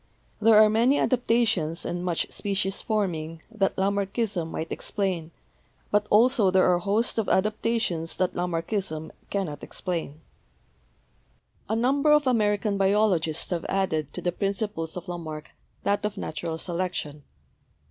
There are many adaptations and much species forming that Lamarckism 230 BIOLOGY might explain, but also there are hosts of adaptations that Lamarckism cannot explain." A number of American biologists have added to the principles of Lamarck that of natural selection.